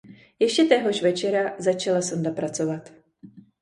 Ještě téhož večera začala sonda pracovat.